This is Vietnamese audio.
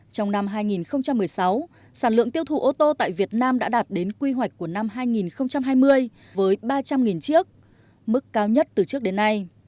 trong năm hai nghìn một mươi sáu sản lượng tiêu thụ ô tô tại việt nam đã đạt đến quy hoạch của năm hai nghìn hai mươi với ba trăm linh chiếc mức cao nhất từ trước đến nay